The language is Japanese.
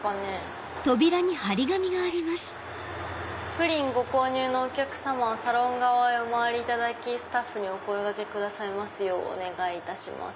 「プリン御購入のお客様はサロン側へお回りいただきスタッフにお声掛けくださいますようお願いいたします」。